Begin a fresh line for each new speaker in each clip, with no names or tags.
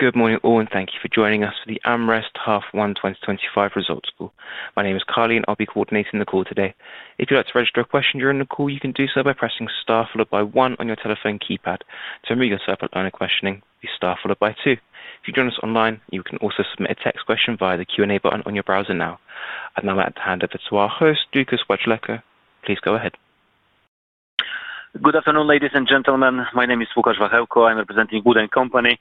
Good morning all, and thank you for joining us for the AmRest H1 2025 Results Call. My name is Carly, and I'll be coordinating the call today. If you'd like to register a question during the call, you can do so by pressing star followed by one on your telephone keypad. To remove yourself from the line of questioning, press star followed by two. If you join us online, you can also submit a text question via the Q&A button on your browser now. I'd now like to hand over to our host, Lukasz Wachelko. Please go ahead.
Good afternoon, ladies and gentlemen. My name is Lukasz Wachelko. I'm representing Wood & Company.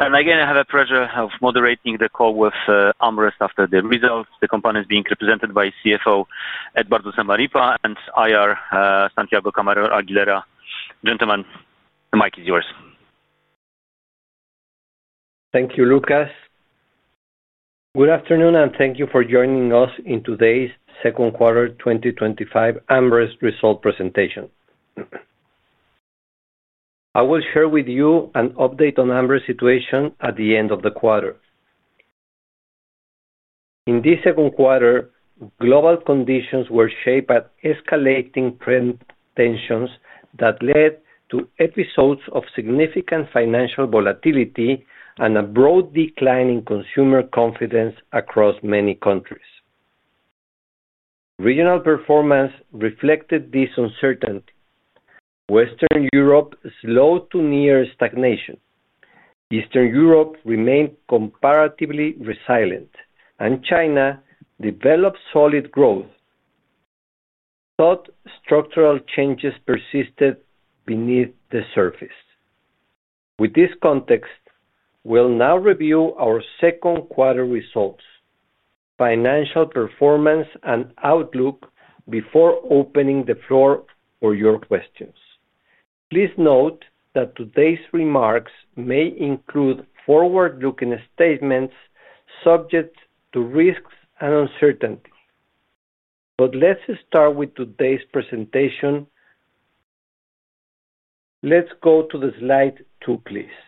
I have the pleasure of moderating the call with AmRest after the results. The company is being represented by CFO Eduardo Zamarripa and IR Santiago Camarero Aguilera. Gentlemen, the mic is yours.
Thank you, Lukasz. Good afternoon, and thank you for joining us in today's Second Quarter 2025 AmRest Result Presentation. I will share with you an update on AmRest's situation at the end of the quarter. In this second quarter, global conditions were shaped by escalating trend tensions that led to episodes of significant financial volatility and a broad decline in consumer confidence across many countries. Regional performance reflected this uncertainty. Western Europe slowed to near stagnation. Central and Eastern Europe remained comparatively resilient, and China developed solid growth. Structural changes persisted beneath the surface. With this context, we'll now review our second quarter results, financial performance, and outlook before opening the floor for your questions. Please note that today's remarks may include forward-looking statements subject to risks and uncertainty. Let's start with today's presentation. Let's go to Slide 2, please.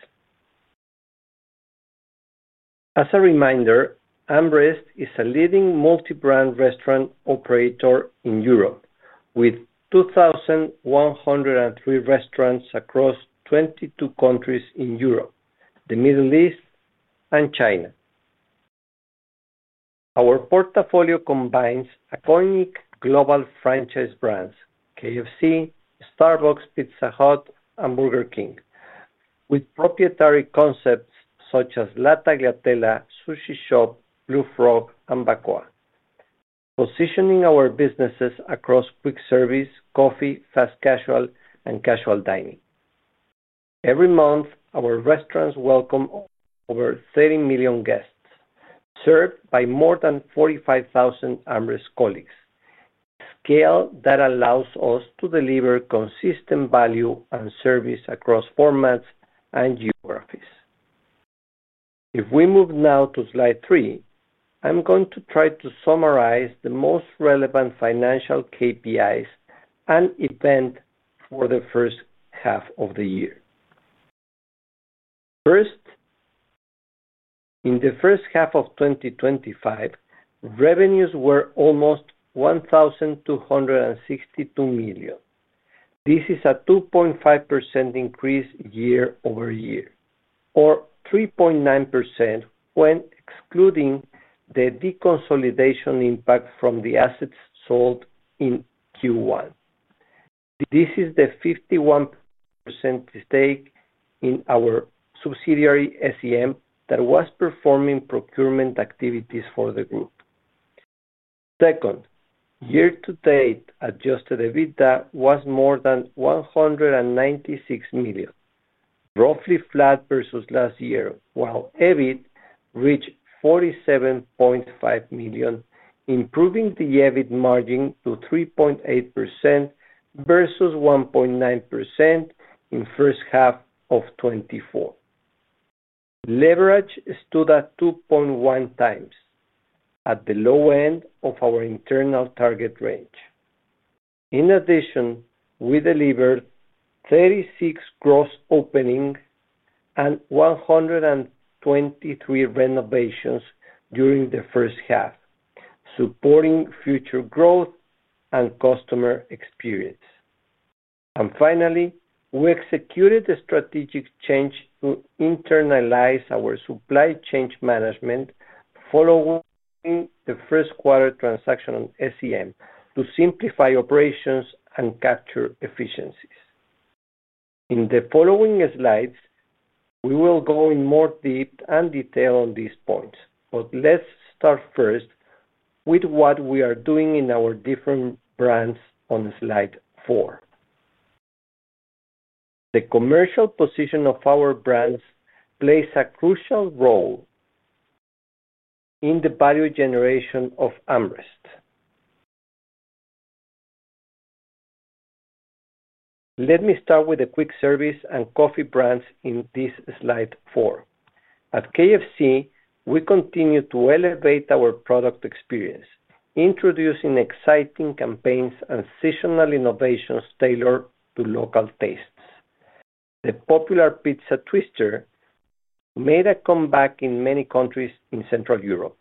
As a reminder, AmRest is a leading multi-brand restaurant operator in Europe, with 2,103 restaurants across 22 countries in Europe, the Middle East, and China. Our portfolio combines iconic global franchise brands: KFC, Starbucks, Pizza Hut, and Burger King, with proprietary concepts such as La Tagliatella, Sushi Shop, Blue Frog, and Bacoa, positioning our businesses across quick service, coffee, fast casual, and casual dining. Every month, our restaurants welcome over 30 million guests, served by more than 45,000 AmRest colleagues, a scale that allows us to deliver consistent value and service across formats and geographies. If we move now to slide three, I'm going to try to summarize the most relevant financial KPIs and events for the first half of the year. First, in the first half of 2025, revenues were almost 1,262 million. This is a 2.5% increase year-over-year, or 3.9% when excluding the deconsolidation impact from the assets sold in Q1. This is the 51% stake in our subsidiary SEM that was performing procurement activities for the group. Year-to-date adjusted EBITDA was more than 196 million, roughly flat versus last year, while EBIT reached 47.5 million, improving the EBIT margin to 3.8% versus 1.9% in the first half of 2024. Leverage stood at 2.1x, at the low end of our internal target range. In addition, we delivered 36 cross-openings and 123 renovations during the first half, supporting future growth and customer experience. Finally, we executed a strategic change to internalize our supply chain management following the first quarter transaction on SEM to simplify operations and capture efficiencies. In the following slides, we will go in more deep and detail on these points, but let's start first with what we are doing in our different brands on Slide 4. The commercial position of our brands plays a crucial role in the value generation of AmRest. Let me start with the quick service and coffee brands in this slide four. At KFC, we continue to elevate our product experience, introducing exciting campaigns and seasonal innovations tailored to local tastes. The popular pizza twister made a comeback in many countries in Central Europe,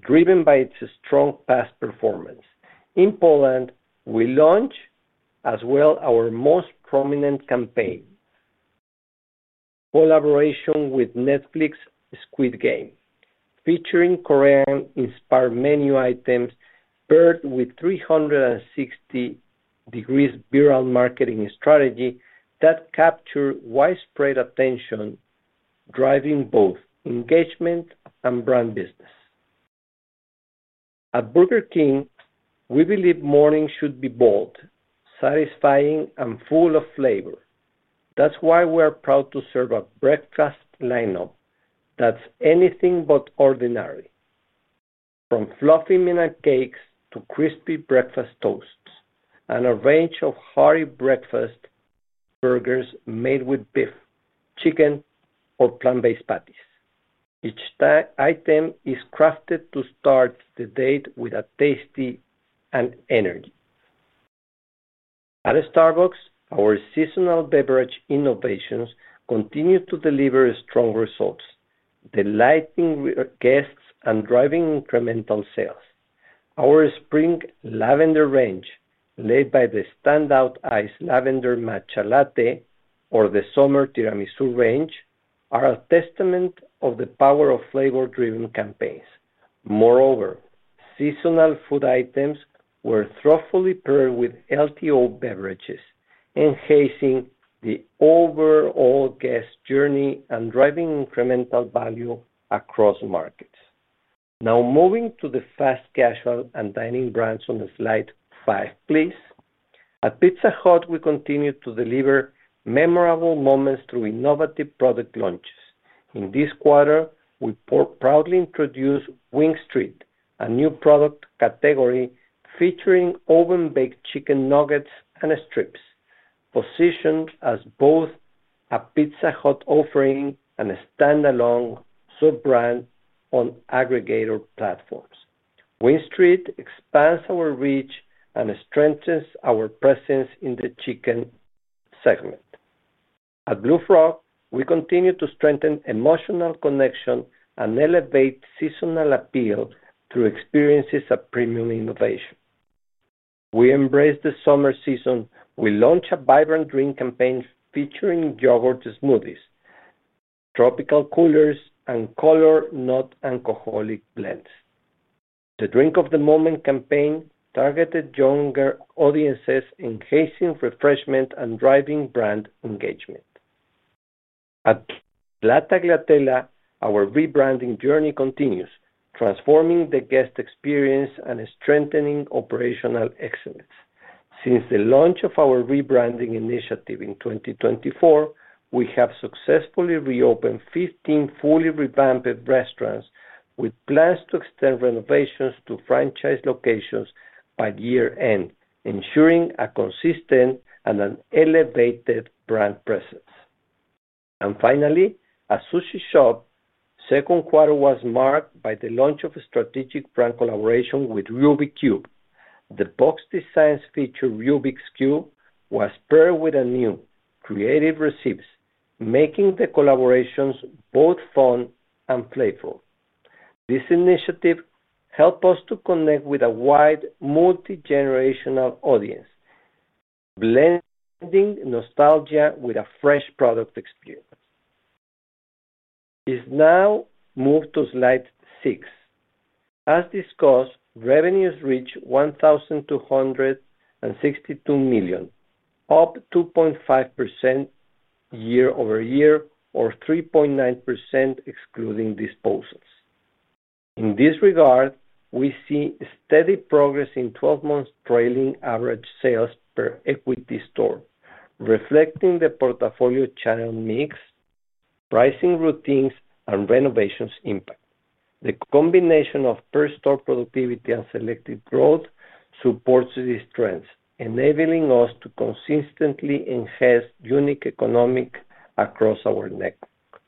driven by its strong past performance. In Poland, we launched as well our most prominent campaign, collaboration with Netflix's Squid Game, featuring Korean-inspired menu items paired with a 360-degree viral marketing strategy that captured widespread attention, driving both engagement and brand business. At Burger King, we believe morning should be bold, satisfying, and full of flavor. That's why we are proud to serve a breakfast lineup that's anything but ordinary. From fluffy minute cakes to crispy breakfast toasts, and a range of hearty breakfast burgers made with beef, chicken, or plant-based patties, each item is crafted to start the day with tasty energy. At Starbucks, our seasonal beverage innovations continue to deliver strong results, delighting guests and driving incremental sales. Our spring lavender range, led by the standout iced lavender matcha latte or the summer tiramisu range, are a testament to the power of flavor-driven campaigns. Moreover, seasonal food items were thoughtfully paired with healthy old beverages, enhancing the overall guest journey and driving incremental value across markets. Now moving to the fast casual and dining brands on the slide five, please. At Pizza Hut, we continue to deliver memorable moments through innovative product launches. In this quarter, we proudly introduced Wing Street, a new product category featuring oven-baked chicken nuggets and strips, positioned as both a Pizza Hut offering and a standalone sub-brand on aggregator platforms. Wing Street expands our reach and strengthens our presence in the chicken segment. At Blue Frog, we continue to strengthen emotional connection and elevate seasonal appeal through experiences of premium innovation. We embrace the summer season, we launch a vibrant drink campaign featuring yogurt smoothies, tropical coolers, and colored non-alcoholic blends. The Drink of the Moment campaign targeted younger audiences, enhancing refreshment and driving brand engagement. At La Tagliatella, our rebranding journey continues, transforming the guest experience and strengthening operational excellence. Since the launch of our rebranding initiative in 2024, we have successfully reopened 15 fully revamped restaurants with plans to extend renovations to franchise locations by year-end, ensuring a consistent and elevated brand presence. Finally, at Sushi Shop, the second quarter was marked by the launch of a strategic brand collaboration with Rubik's Cube. The box design featuring Rubik's Cube was paired with a new creative receipt, making the collaborations both fun and playful. This initiative helped us to connect with a wide multigenerational audience, blending nostalgia with a fresh product experience. Let's now move to Slide 6. As discussed, revenues reached 1,262 million, up 2.5% year-over-year, or 3.9% excluding disposals. In this regard, we see steady progress in 12 months trailing average sales per equity store, reflecting the portfolio channel mix, pricing routines, and renovations' impact. The combination of per-store productivity and selective growth supports these trends, enabling us to consistently enhance unit economics across our network.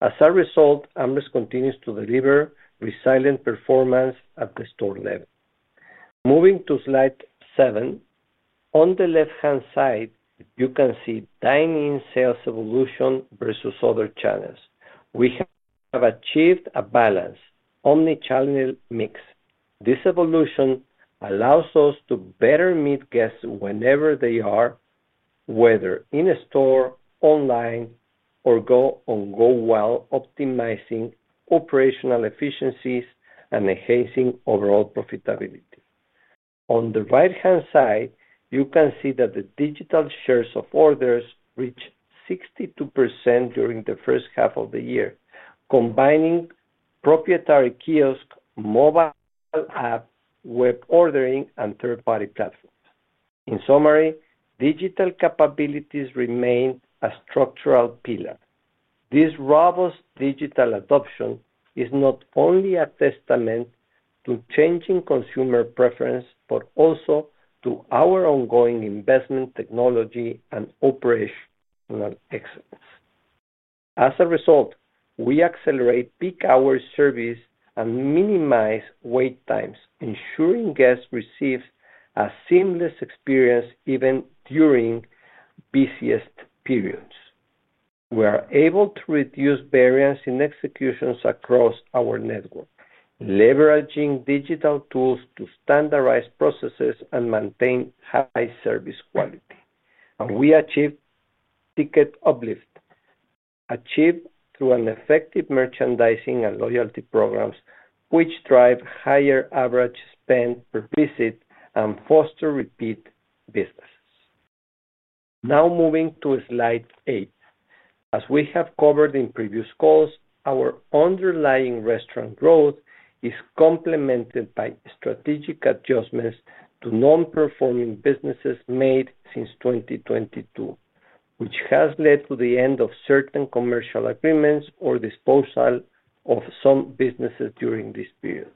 As a result, AmRest continues to deliver resilient performance at the store level. Moving to slide seven, on the left-hand side, you can see dine-in sales evolution versus other channels. We have achieved a balanced omnichannel mix. This evolution allows us to better meet guests wherever they are, whether in-store, online, or on Go Well, optimizing operational efficiencies and enhancing overall profitability. On the right-hand side, you can see that the digital share of orders reached 62% during the first half of the year, combining proprietary kiosks, mobile app, web ordering, and third-party platforms. In summary, digital capabilities remain a structural pillar. This robust digital adoption is not only a testament to changing consumer preference but also to our ongoing investment, technology, and operational excellence. As a result, we accelerate peak hour service and minimize wait times, ensuring guests receive a seamless experience even during the busiest periods. We are able to reduce variance in executions across our network, leveraging digital tools to standardize processes and maintain high service quality. We achieved ticket uplift, achieved through effective merchandising and loyalty programs, which drive higher average spend per visit and foster repeat business. Now moving to slide eight. As we have covered in previous calls, our underlying restaurant growth is complemented by strategic adjustments to non-performing businesses made since 2022, which has led to the end of certain commercial agreements or disposal of some businesses during this period.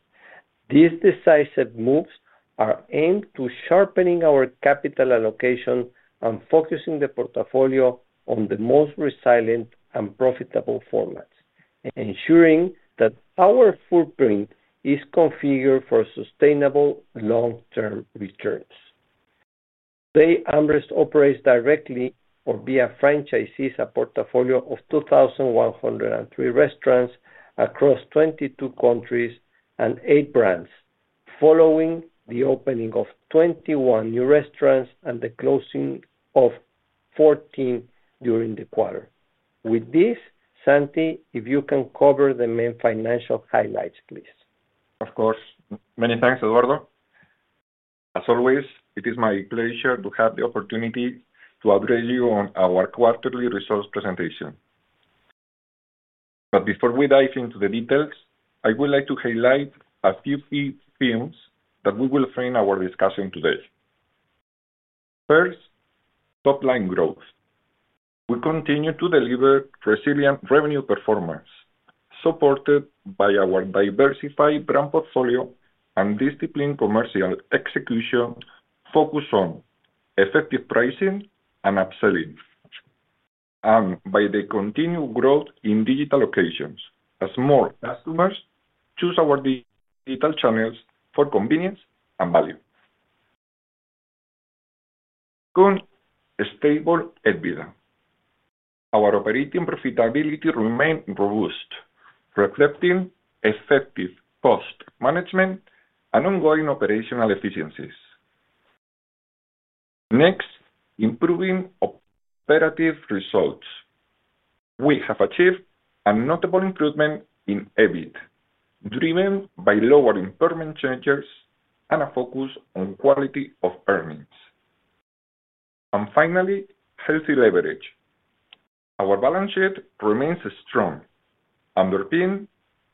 These decisive moves are aimed to sharpen our capital allocation and focus the portfolio on the most resilient and profitable formats, ensuring that our footprint is configured for sustainable long-term returns. Today, AmRest operates directly or via franchisees a portfolio of 2,103 restaurants across 22 countries and eight brands, following the opening of 21 new restaurants and the closing of 14 during the quarter. With this, Santi, if you can cover the main financial highlights, please.
Of course. Many thanks, Eduardo. As always, it is my pleasure to have the opportunity to update you on our quarterly results presentation. Before we dive into the details, I would like to highlight a few key themes that will frame our discussion today. First, top-line growth. We continue to deliver resilient revenue performance, supported by our diversified brand portfolio and disciplined commercial execution focused on effective pricing and upselling, and by the continued growth in digital locations, as more customers choose our digital channels for convenience and value. Second, stable EBITDA. Our operating profitability remains robust, reflecting effective cost management and ongoing operational efficiencies. Next, improving operative results. We have achieved a notable improvement in EBIT, driven by lowering permit charges and a focus on quality of earnings. Finally, healthy leverage. Our balance sheet remains strong, underpinned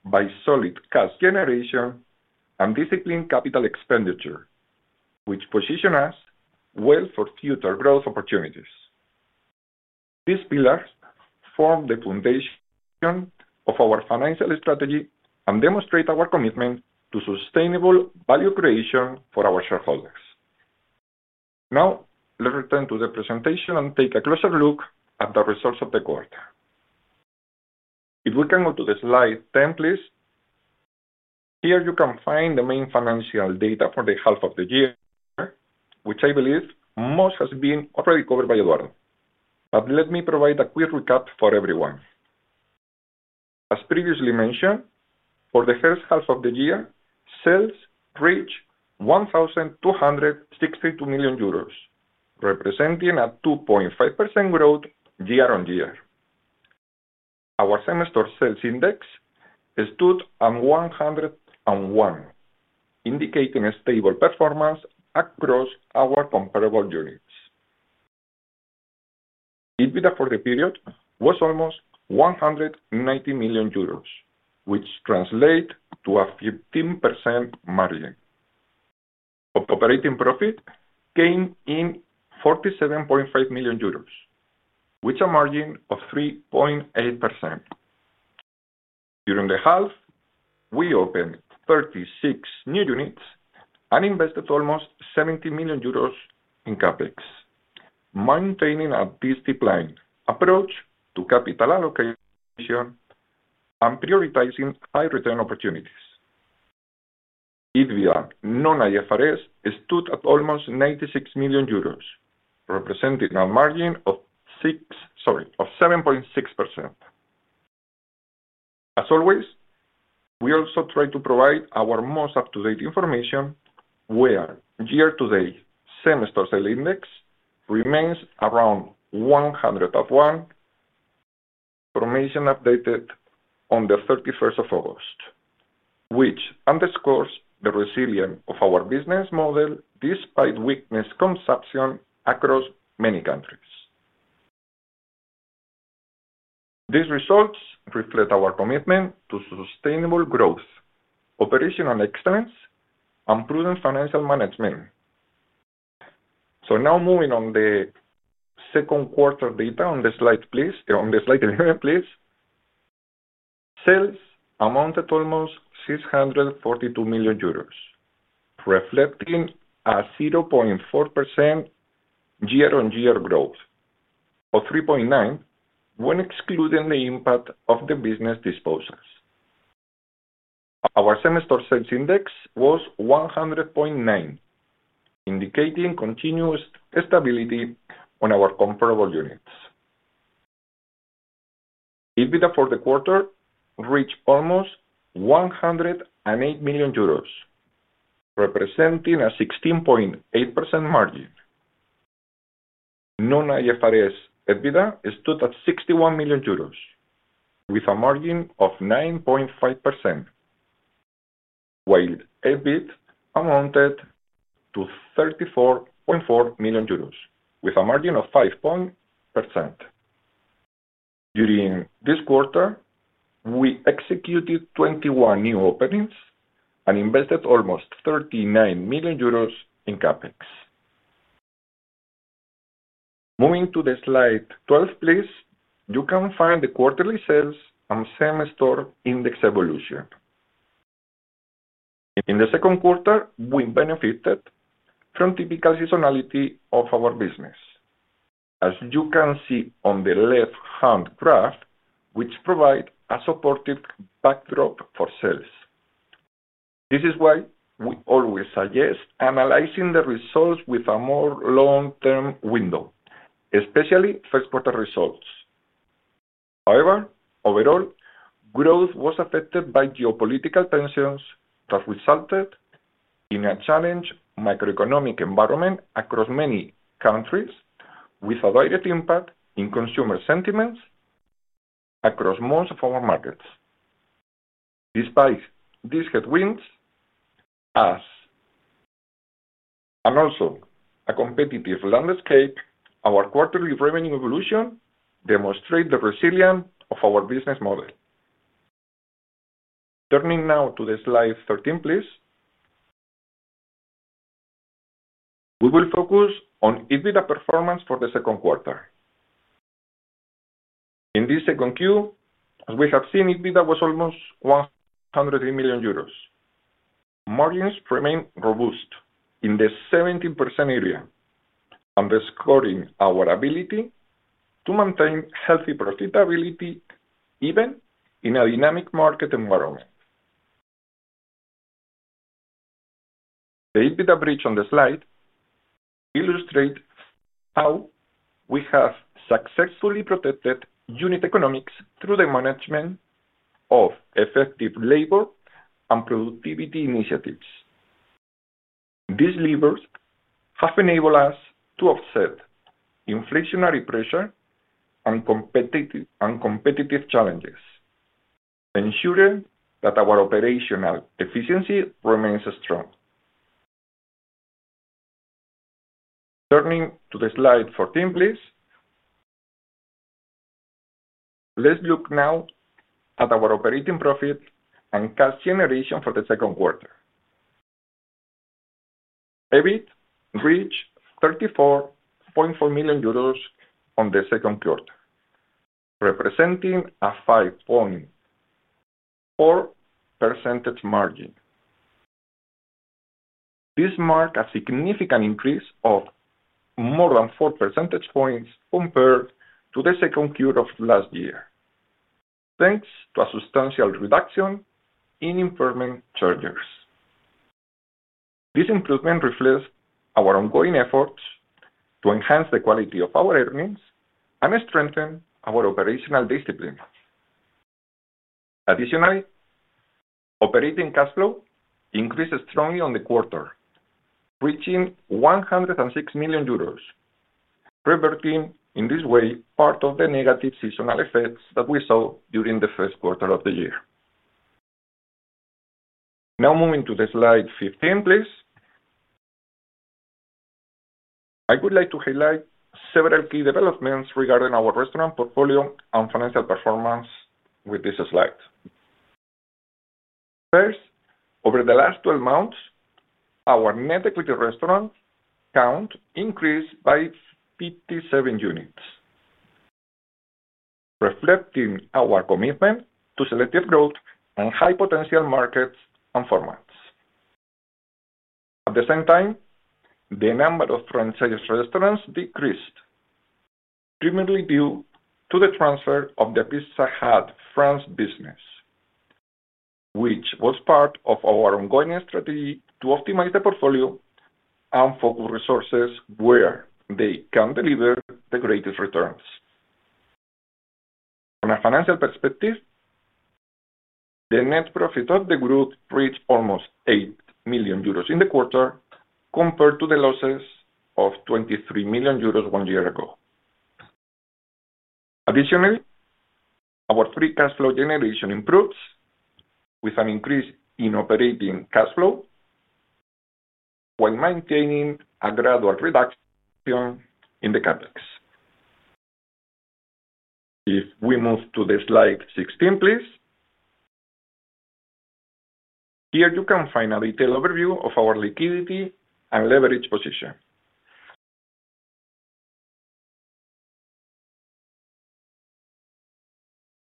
by solid cash generation and disciplined capital expenditure, which position us well for future growth opportunities. These pillars form the foundation of our financial strategy and demonstrate our commitment to sustainable value creation for our shareholders. Now, let's return to the presentation and take a closer look at the results of the quarter. If we can go to Slide 10, please. Here, you can find the main financial data for the half of the year, which I believe most has been already covered by Eduardo. Let me provide a quick recap for everyone. As previously mentioned, for the first half of the year, sales reached 1,262 million euros, representing a 2.5% growth year on year. Our semester sales index stood at 101, indicating a stable performance across our comparable units. EBITDA for the period was almost 190 million euros, which translates to a 15% margin. Operating profit came in at 47.5 million euros, with a margin of 3.8%. During the half, we opened 36 new units and invested almost 70 million euros in CapEx, maintaining a disciplined approach to capital allocation and prioritizing high return opportunities. EBITDA non-IFRS stood at almost 96 million euros, representing a margin of 7.6%. As always, we also try to provide our most up-to-date information, where year-to-date semester sales index remains around 101. Information updated on the 31st of August, which underscores the resilience of our business model despite weakness in consumption across many countries. These results reflect our commitment to sustainable growth, operational excellence, and prudent financial management. Now moving on to the second quarter data on Slide 11, please. Sales amounted to almost 642 million euros, reflecting a 0.4% year-on-year growth or 3.9% when excluding the impact of the business disposals. Our semester sales index was 100.9%, indicating continuous stability on our comparable units. EBITDA for the quarter reached almost 108 million euros, representing a 16.8% margin. Non-IFRS EBITDA stood at 61 million euros, with a margin of 9.5%, while EBIT amounted to 34.4 million euros, with a margin of 5.0%. During this quarter, we executed 21 new openings and invested almost 39 million euros in CapEx. Moving to Slide 12, please, you can find the quarterly sales and semester index evolution. In the second quarter, we benefited from the typical seasonality of our business, as you can see on the left-hand graph, which provides a supportive backdrop for sales. This is why we always suggest analyzing the results with a more long-term window, especially first quarter results. However, overall, growth was affected by geopolitical tensions that resulted in a challenging macroeconomic environment across many countries, with a direct impact in consumer sentiments across most of our markets. Despite these headwinds and also a competitive landscape, our quarterly revenue evolution demonstrates the resilience of our business model. Turning now to Slide 13, please. We will focus on EBITDA performance for the second quarter. In this second quarter, as we have seen, EBITDA was almost 103 million euros. Margins remain robust in the 17% area, underscoring our ability to maintain healthy profitability even in a dynamic market environment. The EBITDA bridge on the slide illustrates how we have successfully protected unit economics through the management of effective labor and productivity initiatives. These levers have enabled us to offset inflationary pressure and competitive challenges, ensuring that our operational efficiency remains strong. Turning to Slide 14, please. Let's look now at our operating profit and cash generation for the second quarter. EBIT reached 34.4 million euros in the second quarter, representing a 5.4% margin. This marks a significant increase of more than 4 percentage points compared to the second quarter of last year, thanks to a substantial reduction in performance charges. This improvement reflects our ongoing efforts to enhance the quality of our earnings and strengthen our operational discipline. Additionally, operating cash flow increased strongly on the quarter, reaching 106 million euros, reverting in this way part of the negative seasonal effects that we saw during the first quarter of the year. Now moving to Slide 15, please. I would like to highlight several key developments regarding our restaurant portfolio and financial performance with this slide. First, over the last 12 months, our net equity restaurant count increased by 57 units, reflecting our commitment to selective growth and high potential markets and formats. At the same time, the number of franchise restaurants decreased, primarily due to the transfer of the Pizza Hut France business, which was part of our ongoing strategy to optimize the portfolio and focus resources where they can deliver the greatest returns. From a financial perspective, the net profit of the group reached almost 8 million euros in the quarter compared to the losses of 23 million euros one year ago. Additionally, our free cash flow generation improves with an increase in operating cash flow while maintaining a gradual reduction in the CapEx. If we move to Slide 16, please. Here, you can find a detailed overview of our liquidity and leverage position.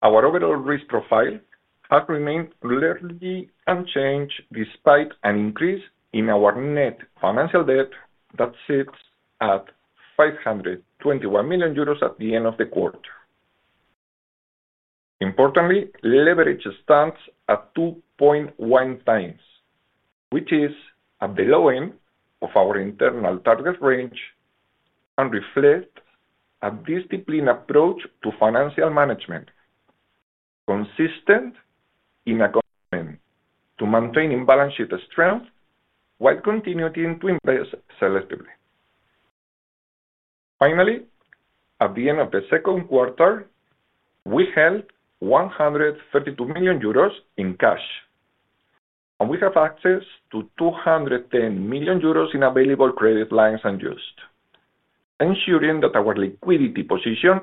Our overall risk profile has remained largely unchanged despite an increase in our net financial debt that sits at 521 million euros at the end of the quarter. Importantly, leverage stands at 2.1x, which is below our internal target range and reflects a disciplined approach to financial management, consistent in accounting to maintaining balance sheet strength while continuing to invest selectively. Finally, at the end of the second quarter, we held 132 million euros in cash, and we have access to 210 million euros in available credit lines unused, ensuring that our liquidity position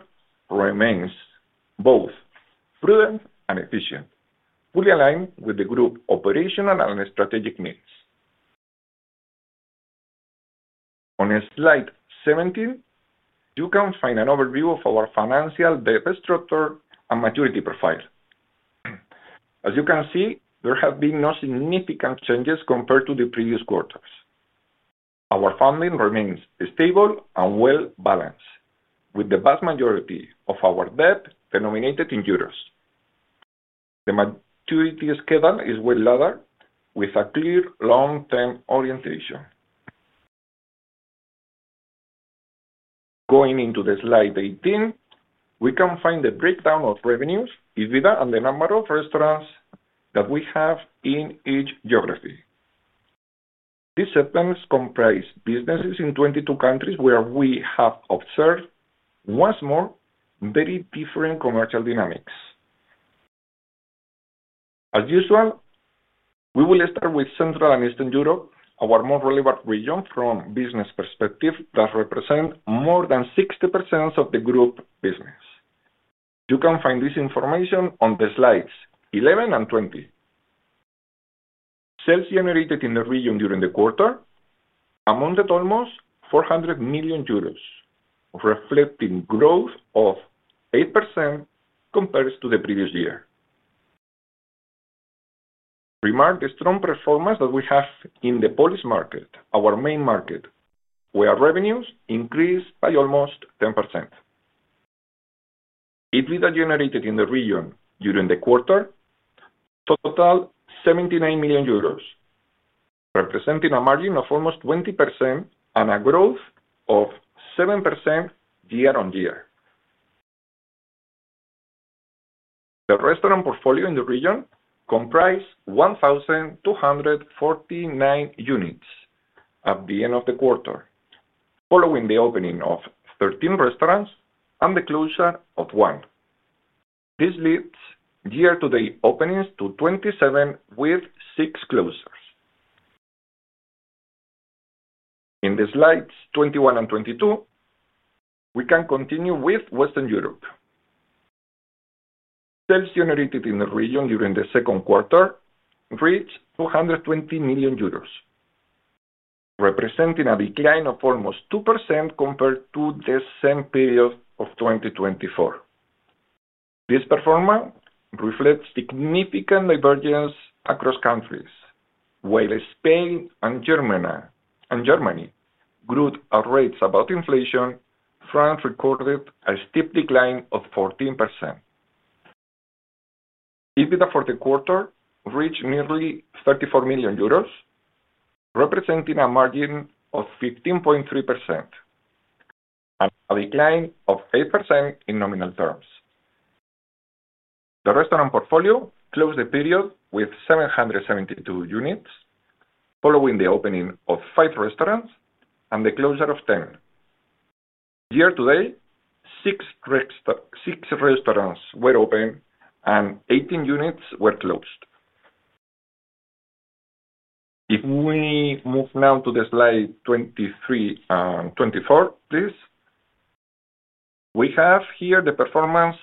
remains both prudent and efficient, fully aligned with the group's operational and strategic needs. On Slide 17, you can find an overview of our financial debt structure and maturity profile. As you can see, there have been no significant changes compared to the previous quarters. Our funding remains stable and well-balanced, with the vast majority of our debt denominated in euros. The maturity schedule is well-lagged, with a clear long-term orientation. Going into Slide 18, we can find the breakdown of revenues, EBITDA, and the number of restaurants that we have in each geography. These segments comprise businesses in 22 countries where we have observed, once more, very different commercial dynamics. As usual, we will start with Central and Eastern Europe, our more relevant region from a business perspective that represents more than 60% of the group business. You can find this information on slides 11 and 20. Sales generated in the region during the quarter amounted to almost 400 million euros, reflecting a growth of 8% compared to the previous year. Remark the strong performance that we have in the Polish market, our main market, where revenues increased by almost 10%. EBITDA generated in the region during the quarter totaled 79 million euros, representing a margin of almost 20% and a growth of 7% year on year. The restaurant portfolio in the region comprised 1,249 units at the end of the quarter, following the opening of 13 restaurants and the closure of one. This leads year-to-date openings to 27, with six closures. In slides 21 and 22, we can continue with Western Europe. Sales generated in the region during the second quarter reached 220 million euros, representing a decline of almost 2% compared to the same period of 2024. This performance reflects significant divergence across countries, where Spain and Germany grew at rates above inflation. France recorded a steep decline of 14%. EBITDA for the quarter reached nearly 34 million euros, representing a margin of 15.3% and a decline of 8% in nominal terms. The restaurant portfolio closed the period with 772 units, following the opening of five restaurants and the closure of 10. Year-to-date, six restaurants were opened and 18 units were closed. If we move now to slides 23 and 24, please. We have here the performance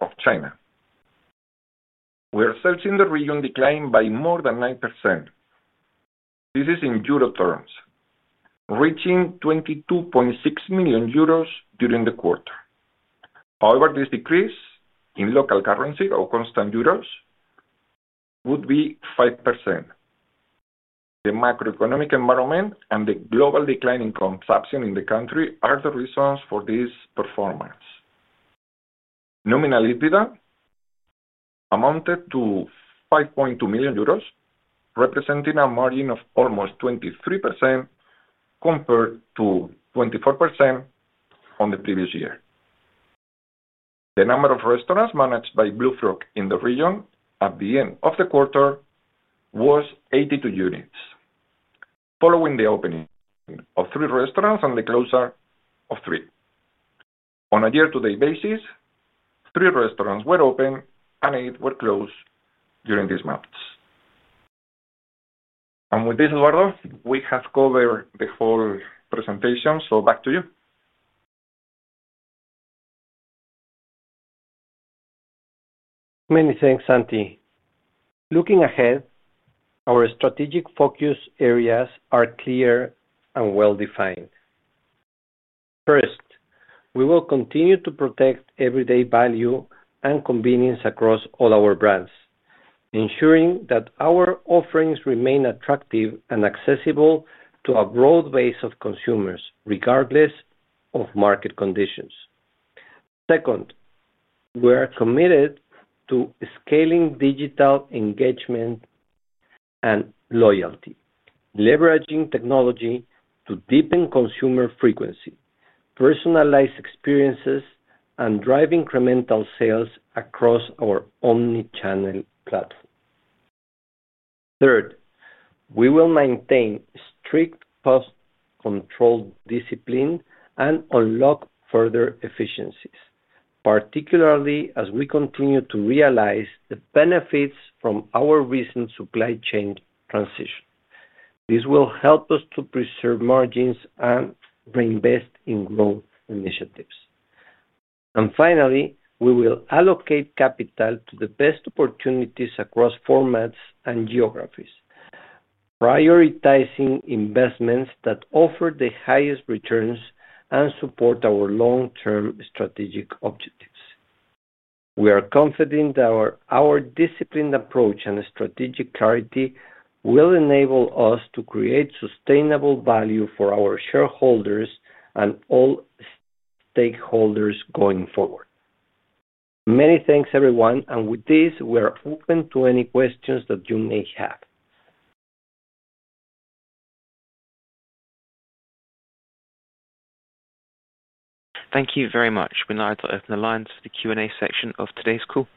of China, where sales in the region declined by more than 9%. This is in euro terms, reaching 22.6 million euros during the quarter. However, this decrease in local currency or constant euros would be 5%. The macroeconomic environment and the global decline in consumption in the country are the reasons for this performance. Nominal EBITDA amounted to 5.2 million euros, representing a margin of almost 23% compared to 24% in the previous year. The number of restaurants managed by Blue Frog in the region at the end of the quarter was 82 units, following the opening of three restaurants and the closure of three. On a year-to-date basis, three restaurants were opened and eight were closed during these months. With this, Eduardo, we have covered the whole presentation. Back to you.
Many thanks, Santi. Looking ahead, our strategic focus areas are clear and well-defined. First, we will continue to protect everyday value and convenience across all our brands, ensuring that our offerings remain attractive and accessible to a broad base of consumers, regardless of market conditions. Second, we are committed to scaling digital engagement and loyalty, leveraging technology to deepen consumer frequency, personalize experiences, and drive incremental sales across our omnichannel platform. Third, we will maintain strict cost control discipline and unlock further efficiencies, particularly as we continue to realize the benefits from our recent supply chain transition. This will help us to preserve margins and reinvest in growth initiatives. Finally, we will allocate capital to the best opportunities across formats and geographies, prioritizing investments that offer the highest returns and support our long-term strategic objectives. We are confident that our disciplined approach and strategic clarity will enable us to create sustainable value for our shareholders and all stakeholders going forward. Many thanks, everyone. With this, we're open to any questions that you may have.
Thank you very much. We now would like to open the lines for the Q&A section of today's call.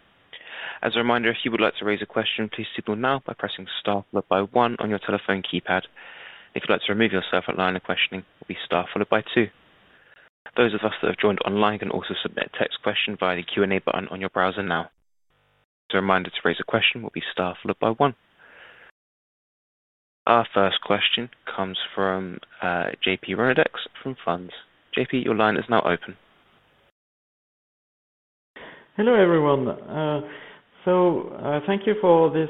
As a reminder, if you would like to raise a question, please do so now by pressing star followed by one on your telephone keypad. If you'd like to remove yourself from the line of questioning, it will be star followed by two. Those of us that have joined online can also submit a text question via the Q&A button on your browser now. A reminder to raise a question will be star followed by one. Our first question comes from [JP Rhododex] from France. JP, your line is now open.
Hello, everyone. Thank you for this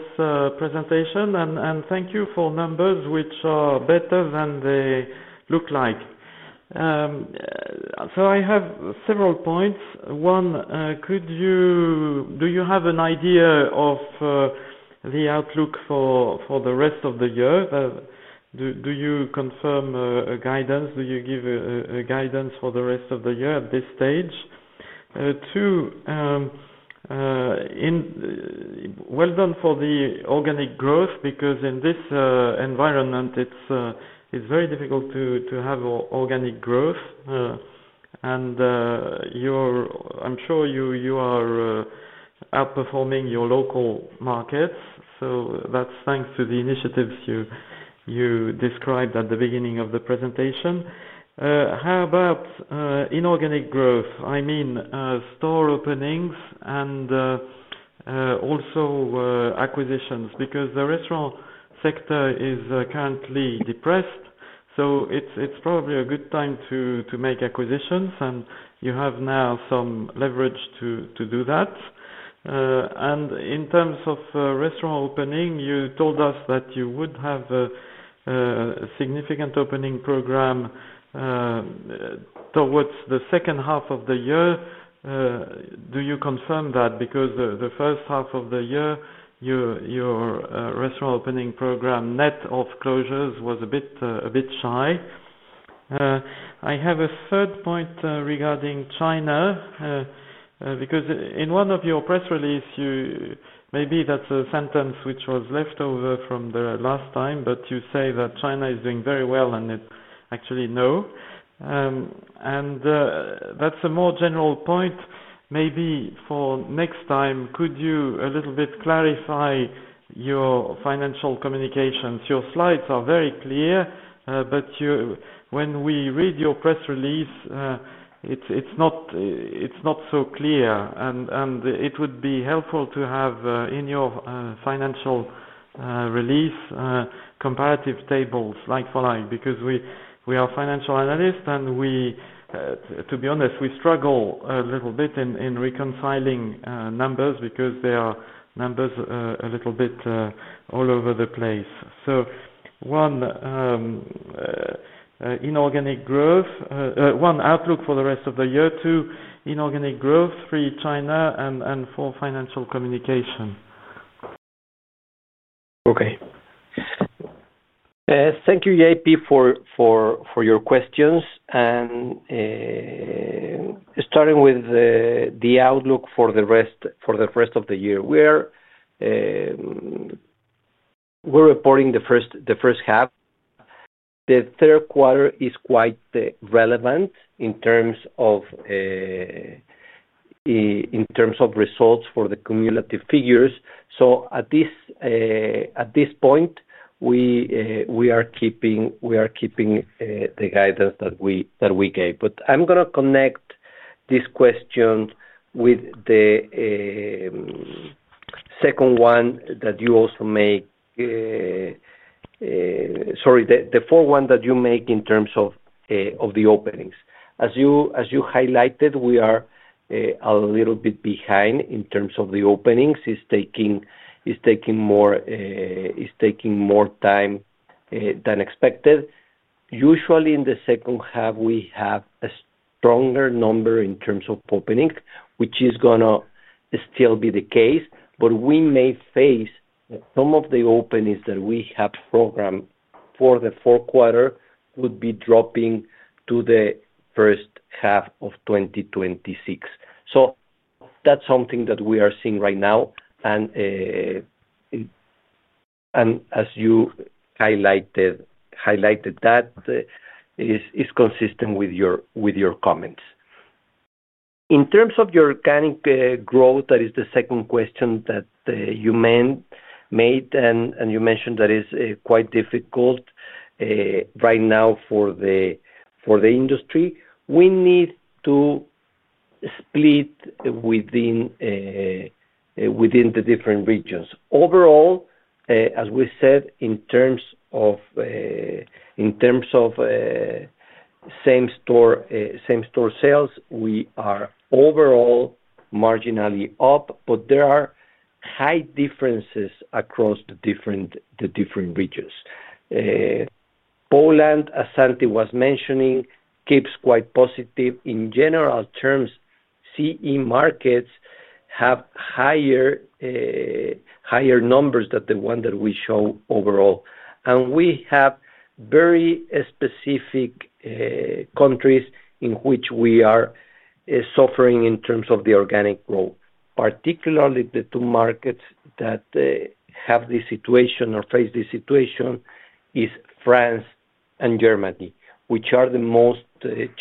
presentation and thank you for numbers which are better than they look like. I have several points. One, could you, do you have an idea of the outlook for the rest of the year? Do you confirm a guidance? Do you give a guidance for the rest of the year at this stage? Well done for the organic growth because in this environment, it's very difficult to have organic growth. I'm sure you are outperforming your local markets. That's thanks to the initiatives you described at the beginning of the presentation. How about inorganic growth? I mean, store openings and also acquisitions because the restaurant sector is currently depressed. It's probably a good time to make acquisitions, and you have now some leverage to do that. In terms of restaurant opening, you told us that you would have a significant opening program towards the second half of the year. Do you confirm that? The first half of the year, your restaurant opening program net of closures was a bit shy. I have a third point regarding China because in one of your press releases, maybe that's a sentence which was left over from the last time, but you say that China is doing very well and it's actually no. That's a more general point. Maybe for next time, could you a little bit clarify your financial communications? Your slides are very clear, but when we read your press release, it's not so clear. It would be helpful to have in your financial release comparative tables like for like because we are financial analysts and we, to be honest, we struggle a little bit in reconciling numbers because there are numbers a little bit all over the place. One, outlook for the rest of the year. Two, inorganic growth. Three, China. Four, financial communication.
Okay. Thank you, JP, for your questions. Starting with the outlook for the rest of the year, we're reporting the first half. The third quarter is quite relevant in terms of results for the cumulative figures. At this point, we are keeping the guidance that we gave. I'm going to connect this question with the second one that you also make, sorry, the fourth one that you make in terms of the openings. As you highlighted, we are a little bit behind in terms of the openings. It's taking more time than expected. Usually, in the second half, we have a stronger number in terms of opening, which is going to still be the case, but we may face some of the openings that we have programmed for the fourth quarter would be dropping to the first half of 2026. That's something that we are seeing right now. As you highlighted, that is consistent with your comments. In terms of your organic growth, that is the second question that you made, and you mentioned that it's quite difficult right now for the industry. We need to split within the different regions. Overall, as we said, in terms of same-store sales, we are overall marginally up, but there are high differences across the different regions. Poland, as Santi was mentioning, keeps quite positive. In general terms, Central and Eastern Europe markets have higher numbers than the one that we show overall. We have very specific countries in which we are suffering in terms of the organic growth. Particularly, the two markets that have this situation or face this situation are France and Germany, which are the most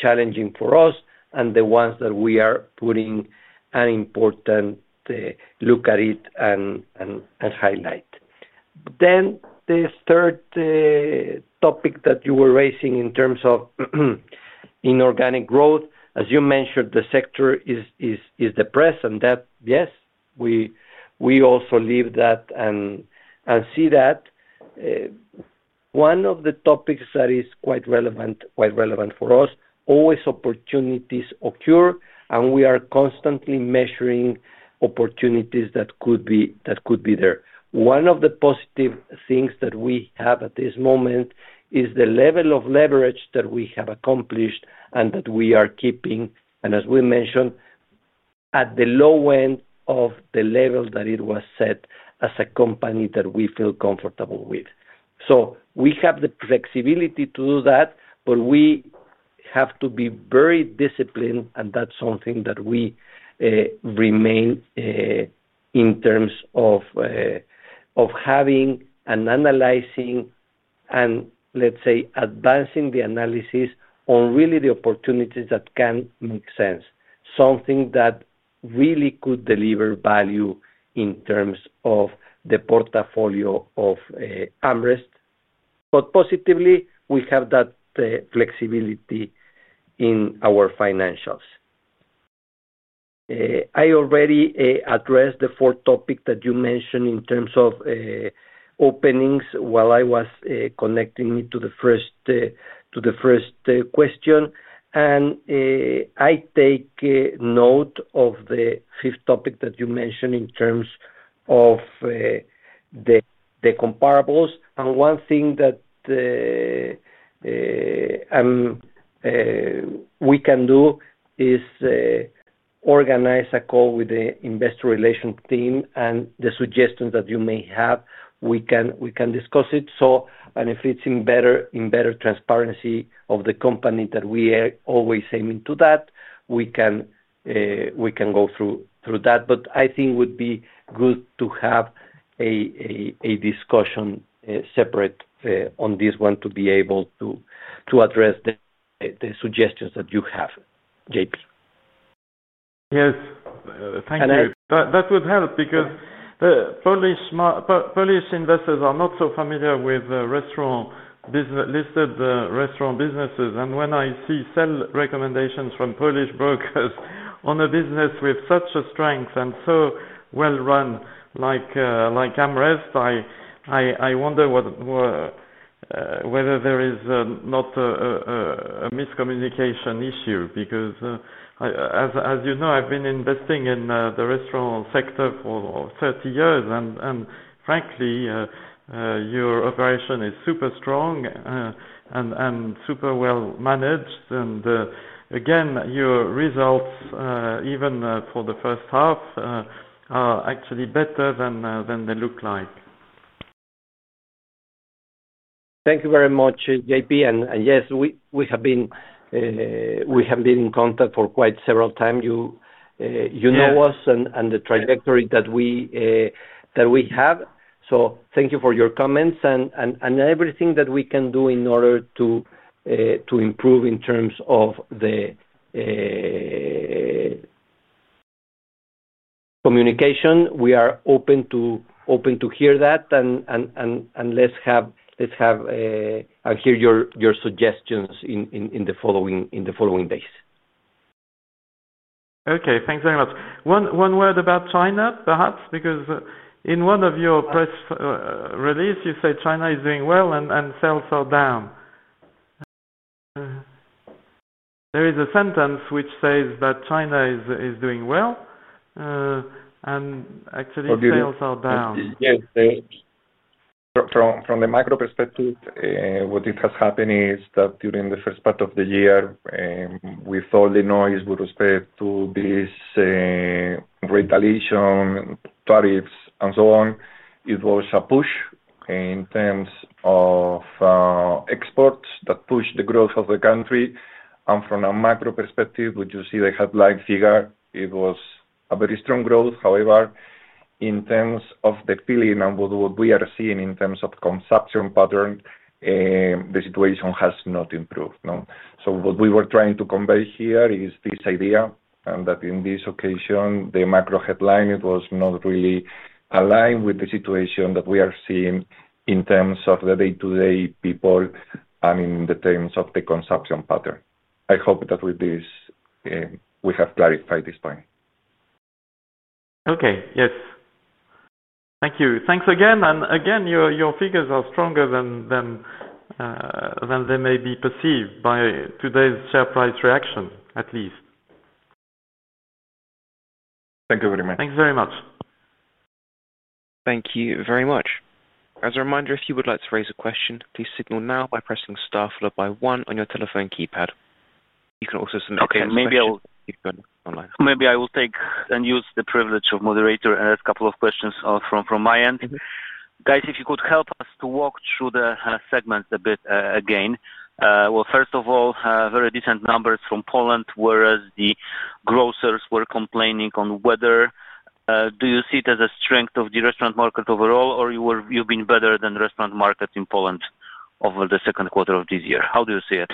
challenging for us and the ones that we are putting an important look at it and highlight. The third topic that you were raising in terms of inorganic growth, as you mentioned, the sector is depressed. Yes, we also live that and see that. One of the topics that is quite relevant for us, always opportunities occur, and we are constantly measuring opportunities that could be there. One of the positive things that we have at this moment is the level of leverage that we have accomplished and that we are keeping. As we mentioned, at the low end of the level that it was set as a company that we feel comfortable with. We have the flexibility to do that, but we have to be very disciplined, and that's something that we remain in terms of having and analyzing and, let's say, advancing the analysis on really the opportunities that can make sense, something that really could deliver value in terms of the portfolio of AmRest. Positively, we have that flexibility in our financials. I already addressed the fourth topic that you mentioned in terms of openings while I was connecting it to the first question. I take note of the fifth topic that you mentioned in terms of the comparables. One thing that we can do is organize a call with the Investor Relations team and the suggestions that you may have. We can discuss it. If it's in better transparency of the company that we are always aiming to, we can go through that. I think it would be good to have a discussion separate on this one to be able to address the suggestions that you have, JP.
Yes.
Thanks, JP.
That would help because Polish investors are not so familiar with listed restaurant businesses. When I see sell recommendations from Polish brokers on a business with such a strength and so well run like AmRest, I wonder whether there is not a miscommunication issue because, as you know, I've been investing in the restaurant sector for 30 years. Frankly, your operation is super strong and super well managed. Again, your results, even for the first half, are actually better than they look like.
Thank you very much, JP. Yes, we have been in contact for quite several times. You know us and the trajectory that we have. Thank you for your comments and everything that we can do in order to improve in terms of the communication. We are open to hear that. Let's have and hear your suggestions in the following days.
Okay. Thanks very much. One word about China, perhaps, because in one of your press releases, you say China is doing well and sales are down. There is a sentence which says that China is doing well and actually sales are down.
Yes. From the macro perspective, what has happened is that during the first part of the year, with all the noise with respect to this rate elevation, tariffs, and so on, it was a push in terms of exports that pushed the growth of the country. From a macro perspective, when you see the headline figure, it was a very strong growth. However, in terms of the feeling and what we are seeing in terms of the consumption pattern, the situation has not improved. What we were trying to convey here is this idea that in this occasion, the macro headline was not really aligned with the situation that we are seeing in terms of the day-to-day people and in the terms of the consumption pattern. I hope that with this, we have clarified this point.
Okay. Yes. Thank you. Thanks again. Your figures are stronger than they may be perceived by today's share price reaction, at least.
Thank you very much.
Thanks very much.
Thank you very much. As a reminder, if you would like to raise a question, please signal now by pressing star followed by one on your telephone keypad. You can also submit a question online.
Maybe I will take and use the privilege of moderator and ask a couple of questions from my end. Guys, if you could help us to walk through the segments a bit again. First of all, very decent numbers from Poland, whereas the grocers were complaining on weather. Do you see it as a strength of the restaurant market overall, or you've been better than the restaurant market in Poland over the second quarter of this year? How do you see it?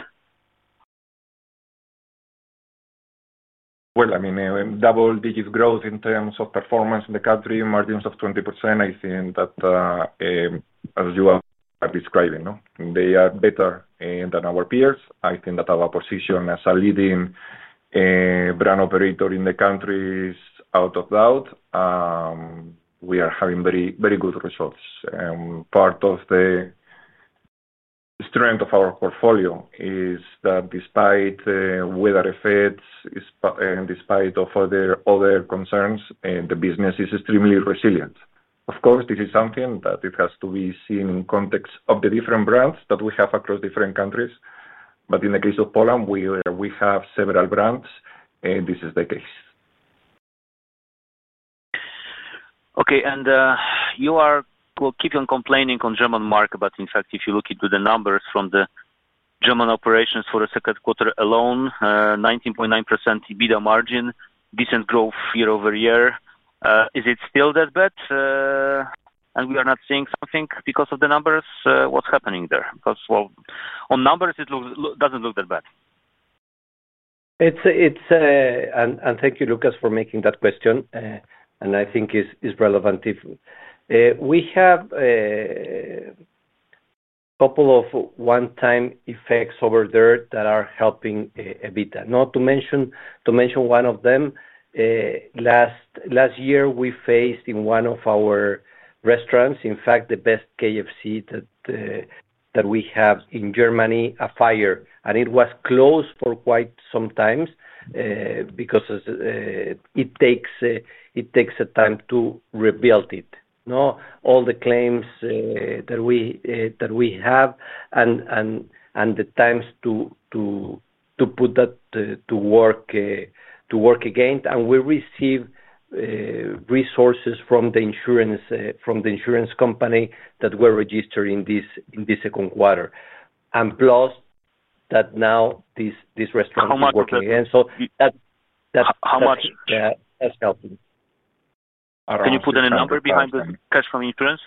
Double-digit growth in terms of performance in the country, margins of 20%. I think that, as you are describing, they are better than our peers. I think that our position as a leading brand operator in the country is out of doubt. We are having very, very good results. Part of the strength of our portfolio is that despite weather effects and despite all the other concerns, the business is extremely resilient. Of course, this is something that has to be seen in the context of the different brands that we have across different countries. In the case of Poland, we have several brands, and this is the case.
Okay. You will keep on complaining on German market, but in fact, if you look into the numbers from the German operations for the second quarter alone, 19.9% EBITDA margin, decent growth year over year. Is it still that bad? We are not seeing something because of the numbers? What's happening there? Because on numbers, it doesn't look that bad.
Thank you, Lukasz, for making that question. I think it's relevant. We have a couple of one-time effects over there that are helping EBITDA. Not to mention one of them. Last year, we faced in one of our restaurants, in fact, the best KFC that we have in Germany, a fire. It was closed for quite some time because it takes a time to rebuild it. All the claims that we have and the times to put that to work again. We receive resources from the insurance company that were registered in this second quarter. Plus, now this restaurant is working again. That has helped.
Can you put in a number behind the cash from insurance?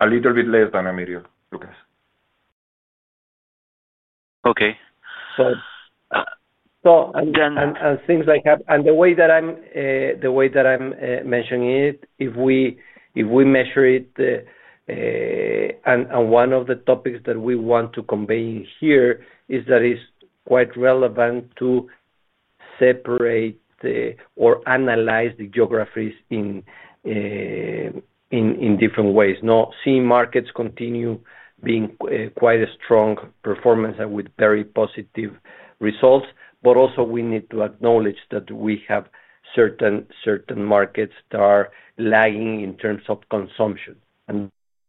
A little bit less than EUR 1 million, Lukasz.
Okay. Things like that. The way that I'm mentioning it, if we measure it, one of the topics that we want to convey here is that it's quite relevant to separate or analyze the geographies in different ways. Seen markets continue being quite a strong performance with very positive results. We need to acknowledge that we have certain markets that are lagging in terms of consumption.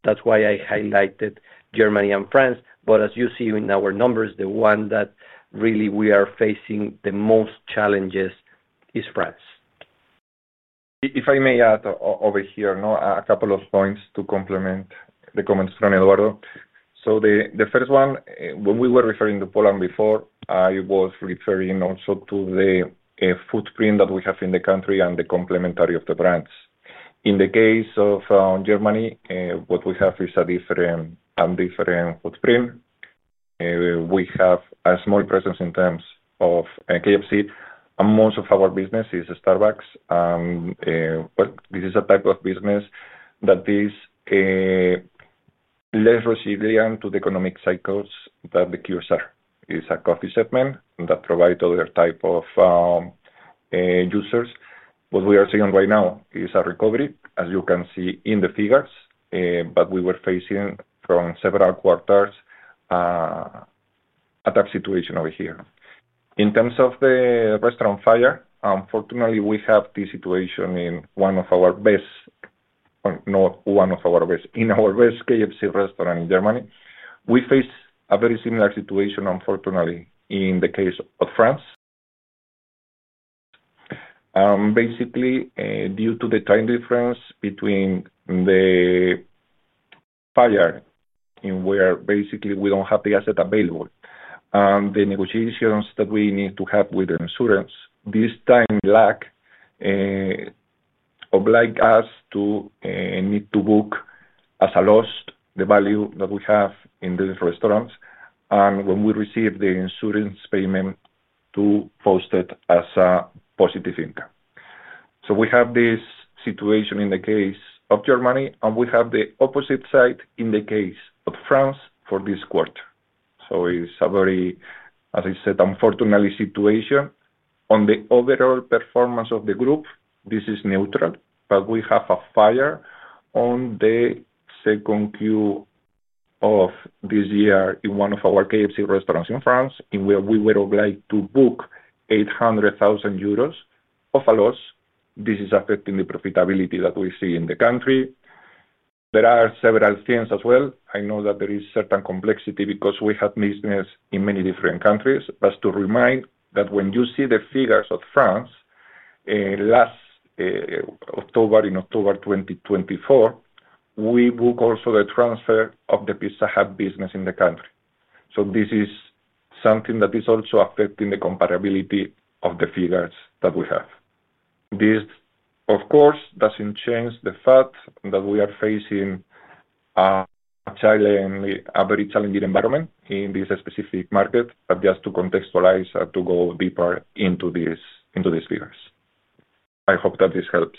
That's why I highlighted Germany and France. As you see in our numbers, the one that really we are facing the most challenges is France.
If I may add over here, a couple of points to complement the comments from Eduardo. The first one, when we were referring to Poland before, I was referring also to the footprint that we have in the country and the complementarity of the brands. In the case of Germany, what we have is a different footprint. We have a small presence in terms of KFC, and most of our business is Starbucks. This is a type of business that is less resilient to the economic cycles that the QSRs are. It's a coffee segment that provides other types of users. What we are seeing right now is a recovery, as you can see in the figures. We were facing from several quarters a tough situation over here. In terms of the restaurant fire, unfortunately, we have this situation in one of our best, not one of our best, in our best KFC restaurant in Germany. We face a very similar situation, unfortunately, in the case of France. Basically, due to the time difference between the fire, where basically we don't have the asset available, and the negotiations that we need to have with the insurance, this time lag obliges us to need to book as a loss the value that we have in these restaurants. When we receive the insurance payment, we post it as a positive income. We have this situation in the case of Germany, and we have the opposite side in the case of France for this quarter. It's a very, as I said, unfortunate situation on the overall performance of the group. This is neutral, but we have a fire in the second quarter of this year in one of our KFC restaurants in France, where we were obliged to book 800,000 euros of a loss. This is affecting the profitability that we see in the country. There are several things as well. I know that there is certain complexity because we have business in many different countries. To remind that when you see the figures of France, last October, in October 2024, we booked also the transfer of the Pizza Hut business in the country. This is something that is also affecting the comparability of the figures that we have. This, of course, doesn't change the fact that we are facing a very challenging environment in this specific market, just to contextualize and to go deeper into these figures. I hope that this helps.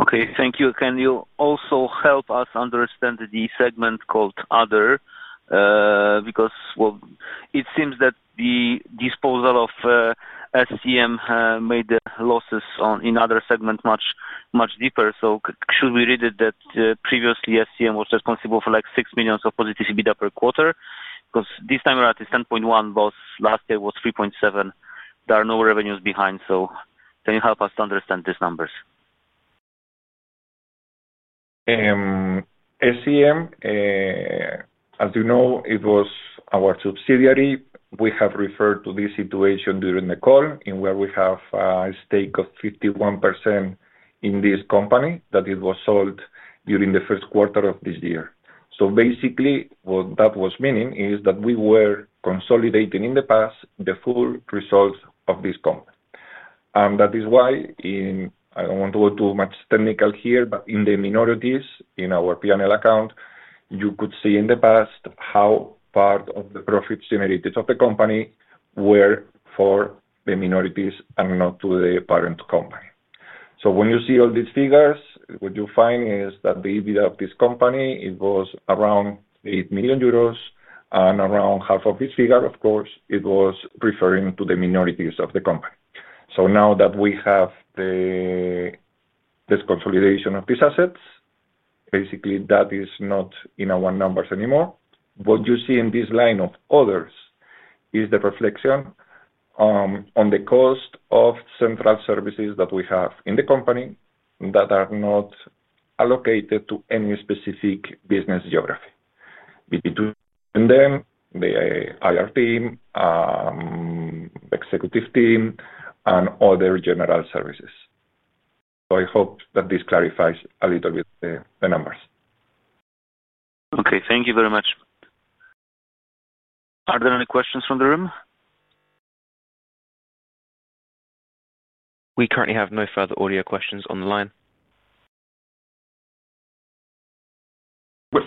Okay. Thank you. Can you also help us understand the segment called Other? It seems that the disposal of SCM made the losses in other segments much, much deeper. Should we read it that previously SCM was responsible for like $6 million of positive EBITDA per quarter? This time we're at 10.1 million, but last year was 3.7 million. There are no revenues behind. Can you help us to understand these numbers?
SCM, as you know, it was our subsidiary. We have referred to this situation during the call in where we have a stake of 51% in this company that it was sold during the first quarter of this year. Basically, what that was meaning is that we were consolidating in the past the full results of this company. That is why, I don't want to go too much technical here, but in the minorities in our P&L account, you could see in the past how part of the profits and realities of the company were for the minorities and not to the parent company. When you see all these figures, what you find is that the EBITDA of this company, it was around 8 million euros, and around half of this figure, of course, it was referring to the minorities of the company. Now that we have this consolidation of these assets, basically, that is not in our numbers anymore. What you see in this line of others is the reflection on the cost of central services that we have in the company that are not allocated to any specific business geography. Then the IR team, the executive team, and other general services. I hope that this clarifies a little bit the numbers.
Okay, thank you very much.
Are there any questions from the room? We currently have no further audio questions on the line.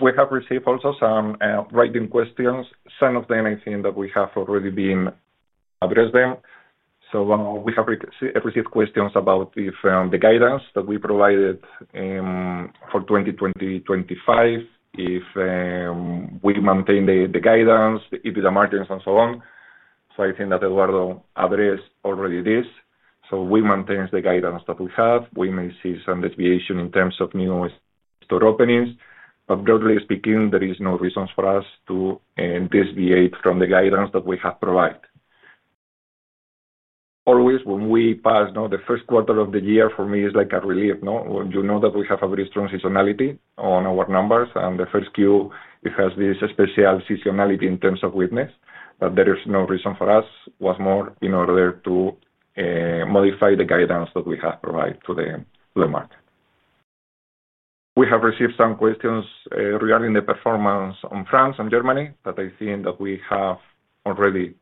We have received also some writing questions. Some of them, I think, that we have already addressed them. We have received questions about if the guidance that we provided for 2025, if we maintain the guidance, the EBITDA margins, and so on. I think that Eduardo addressed already this. We maintain the guidance that we have. We may see some deviation in terms of new store openings. Broadly speaking, there is no reason for us to deviate from the guidance that we have provided. Always, when we pass the first quarter of the year, for me, it's like a relief. You know that we have a very strong seasonality on our numbers. The first quarter, it has this special seasonality in terms of witness that there is no reason for us, was more in order to modify the guidance that we have provided to the market. We have received some questions regarding the performance on France and Germany that I think that we have already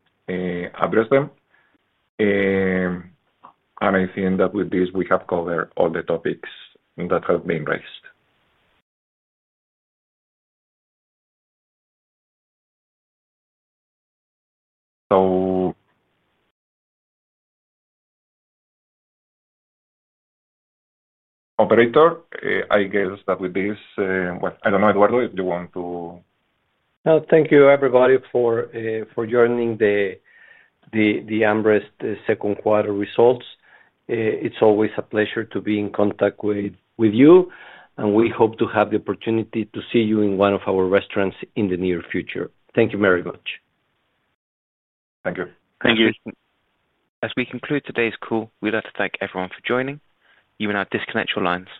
addressed them. I think that with this, we have covered all the topics that have been raised. Operator, I guess that with this, I don't know, Eduardo, if you want to.
Thank you, everybody, for joining the AmRest second quarter results. It's always a pleasure to be in contact with you, and we hope to have the opportunity to see you in one of our restaurants in the near future. Thank you very much.
Thank you.
Thank you. As we conclude today's call, we'd like to thank everyone for joining. You may now disconnect your lines.